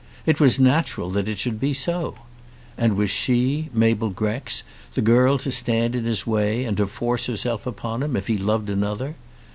It was natural that it should be so. And was she, Mabel Grex, the girl to stand in his way and to force herself upon him, if he loved another?